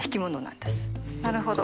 なるほど。